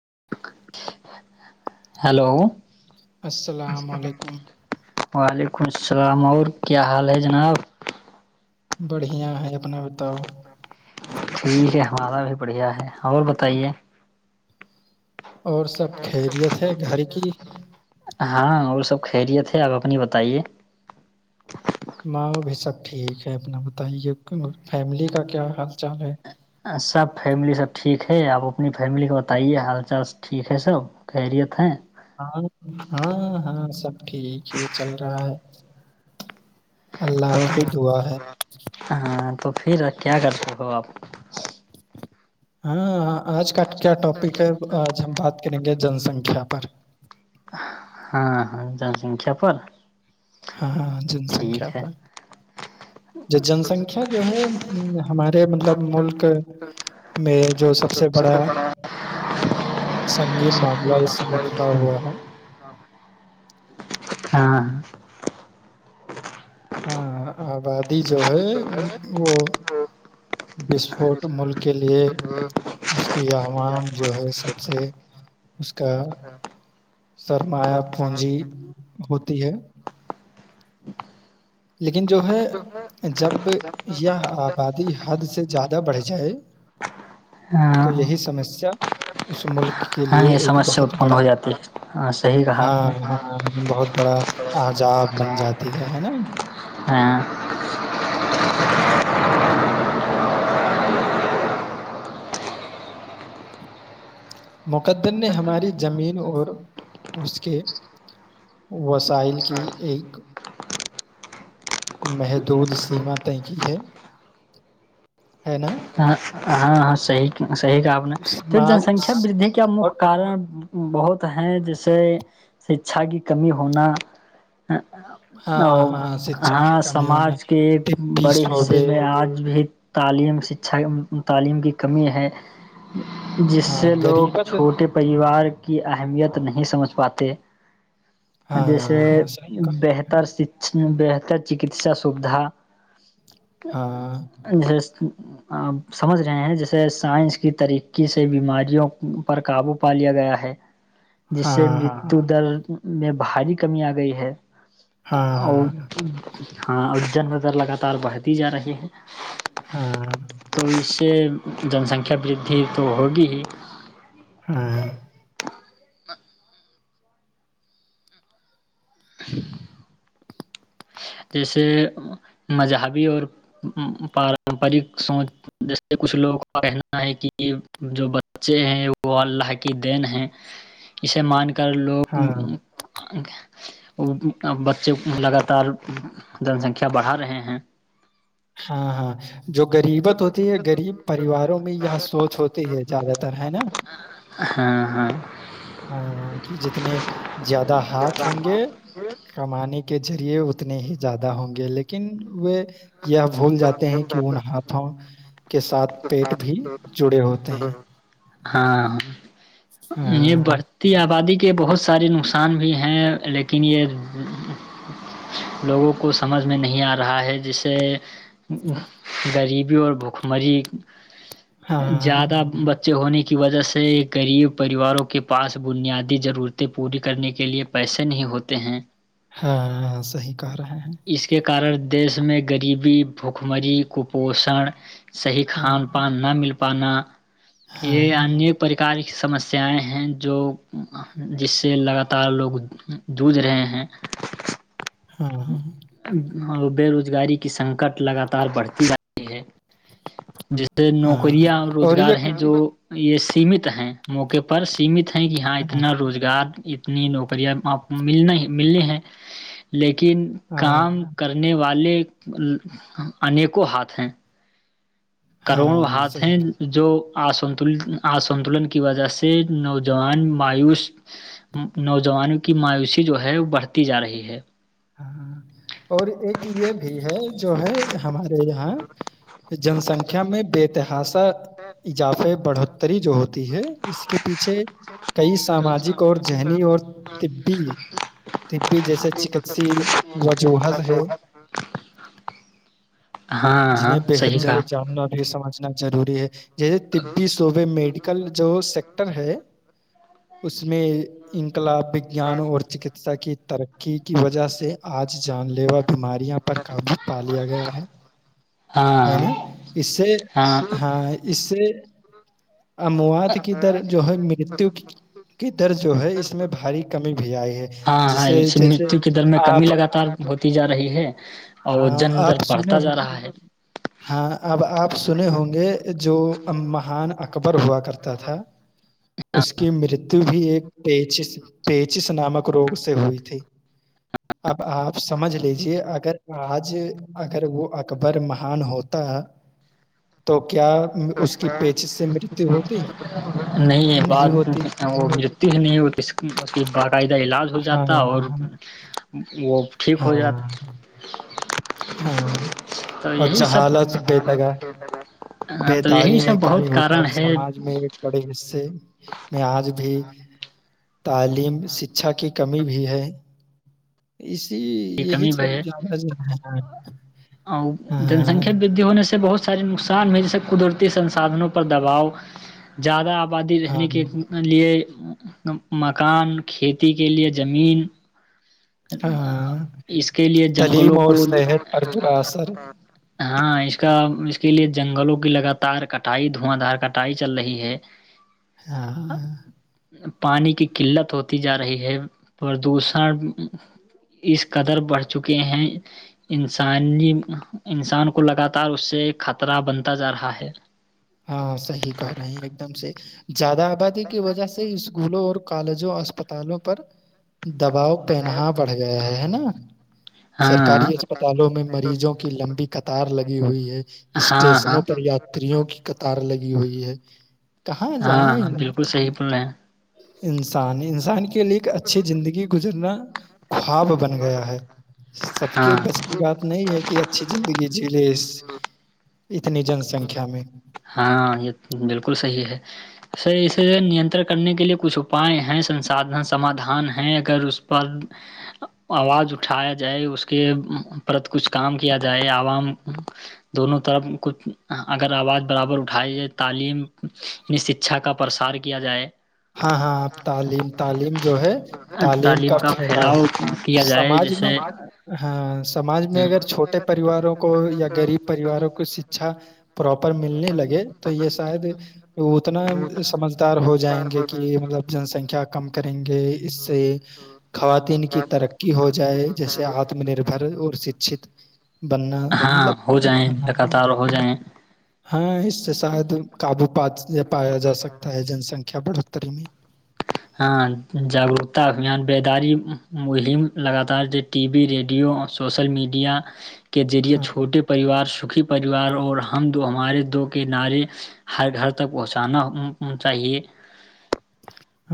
[unintelligible] hello السلام علیکم [unintelligible] بڑھیا ہیں اپنا بتاؤ ٹھیک ہے ہمارا بھی بڑھیا ہے اور بتائیے اور سب خیریت ہے گھر کی ہاں اور سب خیریے تھے آپ اپنی بتائیے ماں وہ بھی سب ٹھیک ہے اپنا بتائیے فیملی کا کیا حال چال ہے سب فیملی سب ٹھیک ہے آپ اپنی فیملی کو بتائیے حال چال ٹھیک ہے سب خیریت ہیں ہاں ہاں ہاں سب ٹھیک ہے چل رہا ہے اللہ تو کا پھر دعا ہے ہاں تو پھر کیا کرتے ہو آپ ہاں ہ [unintelligible] آج کا کیا ٹاپک ہے آج ہم بات کریں گے جن سنکھیا پر ہاں ہاں جن سنکھیا پر ہاں ہاں جن سنکھیا ٹھیک ہے پر جو جن سنکھیا جو ہے ہمارے مطلب ملک میں جو تو سب سے بڑا سگی معاملہ اس سمے کھڑا ہوا ہے ہاں ہاں آبادی جو ہے وہ بسفوٹ ملک کے لیئے اس کی عوام جو ہے سب سے اس کا سرمایہ پونجی ہوتی ہے لیکن جو ہے جب یہ آبادی حد سے زیادہ بڑھ جائے ہاں تو یہی سمسیا اس ملک کی ہاں یہ سمسیا اتپن ہو جاتی ہے ہاں صحیح کہا آپ ہاں نے ہاں بہت بڑا عجاب بن جاتی ہے ہے نا ہاں مقدر نے ہماری زمین اور اس کے وسائل کی ایک محدود سیما تنکی ہے ہے نا ہاں ہاں ہاں صحی صحی کامنا تو جن سماج سنکھیا ودی کا اور مک کارن بہت ہے جیسے اچھا کی کمی ہونا ہاں اور ہاں شکشا کی ہاں کمی ہونا سماج کے ایک طبی بڑے حصے شعبے میں آج بھی تعلیم ش اچھا تعلیم کی کمی ہے جس ہاں سے لوگ غریبت چھوٹے پریوار کی اہمیت نہیں سمجھ پاتے جیسے ہاں ہاں صحیح کہا بہتر بر چکس سھا ج ہاں آپ سمجھ رہے ہیں جیسے سائنس کی ترقی سے بیماریوں پر قابو پا لیا گیا ہے جس سے ہاں ہاں مرتو در میں بھاری کمی آ گئی ہے ا ہاں ہاں اور جن ودر لگاتار بڑھتی جا رہی ہے ہاں تو اس سے جن سنکھیا وردھی تو ہوگی ہی ہاں ہ جیسے مذہبی اور پارمپرک سوچ جیسے کچھ لوگوں کا کہنا ہے کہ جو بچے ہیں وہ اللہ کی دین ہے اسے مان کے کر لوگ ہاں وہ بچے لگاتار جن سنکھیا بڑھا رہے ہیں ہاں ہاں جو غریبت ہوتی ہے غریب پریواروں میں یہ سوچ ہوتی ہے زیادہ تر ہے نا ہاں ہاں ہاں کہ جتنے زیادہ ہاتھ ہوں گے کمانے کے کے ذریعے اتنے ہی زیادہ ہوں گے لیکن وہ یہ بھول جاتے ہیں کہ ان ہاتھوں کے ساتھ پیٹ بھی جڑے ہوتے ہیں ہاں یہ ہاں بڑھتی آبادی کے کے بہت سارے نقصان بھی ہیں لیکن یہ لوگوں کو سمجھ میں نہیں آ رہا ہے جسے غریبی اور بھوکمری ہاں زیادہ بچے ہونے کی وجہ سے غریب پریواروں کے پاس بنیادی ضرورتیں پوری کرنے کے لئے پیسے نہیں ہوتے ہیں ہاں صحی کہ رہے ہیں اس کے کارن دیش میں غریبی بھکمری کپوشن صحی ہاں کھان پان نہ مل پنا یہ ہاں ان پری کار سس سیائیں ہیں جو جس سے لگاتار لوگ جوجھ رہے ہیں [unintelligible] اور بے روزگاری کی سنکٹ لگاتار بڑھتی رہی ہے جس ہاں نوکریاں اور روزگار یہ ہیں جو یہ سیمت ہیں موقع پر سیمت ہیں کہ یہاں ہاں اتنا روزگار اتنا ن نوکریاں آپ ملنا ہی ملنے ہیں لیکن ہاں کام کرنے والے انیکوں ہاتھ ہیں کروڑوں ہاں ہاتھ ہیں صحیح جو اسنت اسنتولن کی وجہ سے نوجوان مایوس نوجوانوں کی مایوسی جو ہے بڑھتی جا رہی ہے ہاں اور ایک یہ بھی ہے جو ہے ہمارے یہاں جنسنکھیا میں بےتحاسا اضافے بڑھتے جو ہوتی ہے اس کے پیچھے کئی ساماجک اور ذہنی اور طببی طبی جیسے چک سی وجوہس ہے ہاں ہاں جنہیں صحیح بےحد کہا جاننا بھی سمجھنا ضروری ہے جیسے طبی صوبے میڈیکل جو س ٹر ہے اس میں ان کلا وگیان اور چکتسا کی ترقی کی وجہ سے آج جان لیوا بھی بیماریاں پر قابو پا لیا گیا ہے ہے ہاں نا اس سے ہاں اس سے [unintelligible] اموات کی در جو ہے مرتو کی در جو ہے اس میں بھاری کمی بھی آئی ہے ہاں ہاں جسے اس جیسے مرتو کی در میں کمی آپ لگاتار ہوتی جا رہی ہے اور ہاں جن در آپ سنے بڑھتا جا ہوگ رہا ہے ہاں اب آپ سنے ہوں گے جو مہان اکبر ہوا کرتا تھا اس کی مرتو بھی ایک پیچس پیچس نامک روگ سے ہوئی تھی اب آپ سمجھ لیجے اگر آج اگر وہ بر مہان ہوتا ہے تو کیا اس کی پیچس سے مرتیو ہوتی نہیں یہ بات وہ متی ہی نہیں اس باقاعدہ علاج ہاں جاتا اور وہ ٹھیک ہو ہاں جاتات ہاں اور جہالت بہتگ ہاں تو یہی بیداری میں سب کمی بہت ہوتا ہے کارن سماج یہ میں ایک بڑے حصے میں آج بھی تعلیم شکچھا کی کمی بھی ہے اس ج یہی کمی بھی سب ہے زیادہ جو ہے جن سنکھیا ودی ہونے سے بہت سار ن نقصان میں جیسے قدرتی سنسادھنوں پر دباؤ زیادہ آبادی ہاں ہاں رہنے کے لیے مکان کھیتی کے لیے زمین ہاں اس کے لیے تعلیم جنگلوں اور کو صحت پر برا اثر ہاں اس کا اس اس کے لیے جنگلوں کی لگاتار کٹائی دھواں دھار کٹائی چل رہی ہے ہاں پانی کی قلت ہوتی جا رہی ہے پردوشن اس قدر بڑھ چکے ہیں انسانی انسان کو لگاتار اس سے خطرہ بنتا جا رہا ہے ہاں صحیح کہ رہے ہیں ایک دم سے زیادہ آبادی کی وجہ سے اس اسکولوں اور کالجوں اسپتالوں پر دباؤ پین بڑھ گیا ہے ہے نا ہاں سرکاری اسپتالوں میں مریضوں کی لمبی قطار لگ ہوئی ہے [unintelligible] ہاں ہاں اسٹیشنوں پر یاتریوں کی لگی ہوئی ہے کہاں ہاں جائیں ہاں بالکل صحیح بول رہے ہیں انسان انسان کے لیے ایک اچھی زندگی گزرنا خواب بن گیا ہے سب کے ہاں بس کی بات نہیں ہے کہ اچھی زندگی جیلے اتنی جن سنکھیا میں ہاں یہ بالکل صحیح ہے اسے نینترن کرنے کے لیے کچھ اپائے ہیں سنسادھن سمادھان ہیں اگر اس پر آواز اٹھایا جائے اس کے پر کچھ کام کیا جائے عوام دونوں طرف کچھ اگر آواز برابر اٹھائی جائے تعلیم شکھا کا پرسار کیا جائے ہاں ہاںپ تعلیم تعلیم جو ہے تعلیم کا پھیلاؤ ہو سماج میں ہاں سماج میں اگر چھوٹے پریواروں کو یا غریب پریواروں کو شکچھا پراپر ملنے لگے تو یہ شاید اتنا سمجھدار ہو جائیں گے کہ کہ مطلب جنسنکھیا کم کر اس سے خواتین کی ترقی ہو جائے جیسے آتم نربھر اور شکشت بننا ہاں مطلب ہو جائیں لگاتار ہو جائیں ہاں اس سے شاید قابو پا پایا جا سکتا ہے جن سنکھیا بڑھ ا ترمی ہاں جاگروکتا ابھیان بیداری مہم لگاتار T V radio social media کے ذریعے ہاں چھوٹے پریوار سکھی پریوار اور ہم ہمارے دو کے نعرے ہر گھر تک پہنچانا چاہیے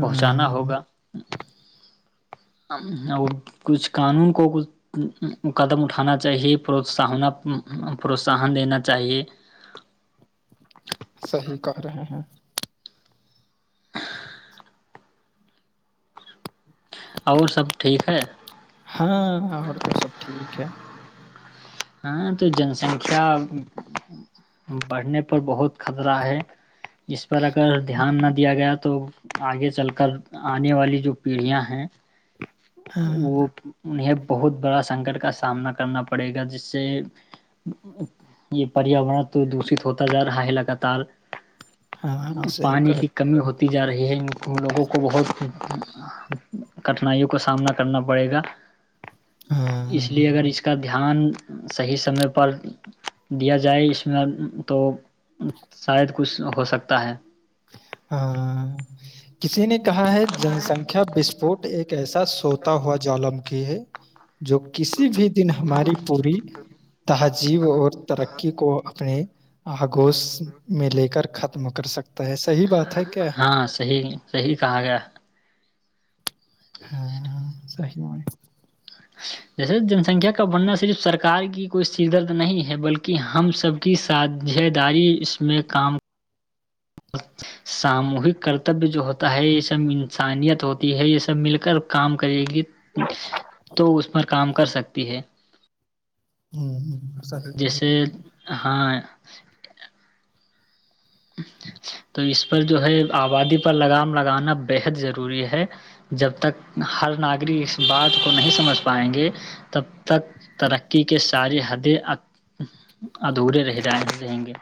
پہنچانا ہوگا اور کچھ قانون کو کچ قدم اٹھانا چاہیے پرنا پروتساہن دینا چاہیے صحیح کہ رہے ہیں اور سب ٹھیک ہے ہاں اور تو سب ٹھیک ہے ہاں تو جن سنکھیا بڑھنے پر بہت خطرہ ہے اس پر اگر دھیان نہ دیا گیا تو آگے چل کر آنے والی جو پیڑھیاں ہیں ہاں وہ انہیں بہت بڑا سنکٹ کا سامنا کرنا پڑے گا جس یہ پریاورن تو دشت ہوتا جا رہا ہے لگاتار ہاں صحیح پانی کہ کی کمی ہوتی تیجار ہییں ان لوگوں کو بہت کٹھنائیوں کا سامنا کرنا پڑے گا ہاں اس لیے اگر اس کا دھیان صحیح سمے پر دیا جائے اس میں تو شاید کچھ ہو سکتا ہے ہاں کسی نے کہا ہے جنسنکھیا بیس فوٹ ایک کیسا سوتا ہوا جاللم کی ہے جو کسی بھی دن ہماری پوری تہذیب اور ترقی کو اپنے آگوش میں لے کر ختم کر سکتے ہاں صی صحی کہا گیا ہاں صح جیسے جن سنکھیا کا بڑھنا صرف سرک کی کوئی س درد نہیں ہے بلکہ ہم سب کی ساھے داری اس میں کام ساموہک کرتے تب بھی جو ہوتا ہے یہ سب انیت ہوتی ہے یہ سب مل کر کام کرے گی تو اس پر کام کر کر سکتی ہے [inaudible] جیسے رہے ہیں ہاں تو اس پر جو ہے آبادی پر لگام لگانا بےحد ضروری ہے جب تک ہر ناگرک اس بات کو نہیں سمجھ پائیں گے تب تک ترقی کے ساری حدیں ادھورے رہ جائ رہیں گے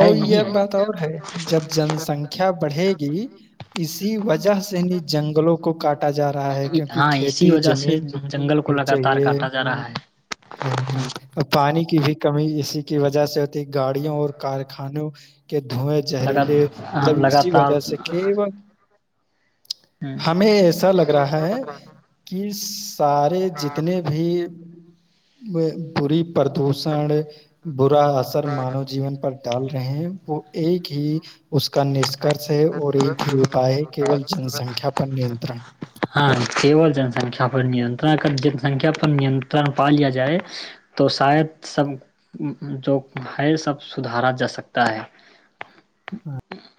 ہے یہ نہیں ہے بات ہے جب جن سنکھیا بڑھے گی اسی وجہ سے نہیں جنگلوں کو کاٹا جا رہا ہے کیونکہ ہاں اسی کھیتی وجہ سے زمین جنگل کو بھی لگاتار چاہیے کاٹا جا رہا ہے ہ ہ اور پانی کی بھی کمی اسی کی وجہ سے ہوتی گاڑیوں اور کارخانوں کہ دھوئیں لگا زہریلے مطلب اسی لگاتار وجہ سے کی ہمیں ایسا لگ رہا ہے کہ سارے جتنے بھی بری پردوشن برا اثر مانو جیون پر ڈال رہے ہیں وہ ایک ہی اس کا نشکرش ہے اور ایک ہی اپائے ہے کیول جن سنکھیا پر نینترن ہاں [unintelligible]